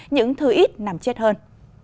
những thứ ít nằm chết hơn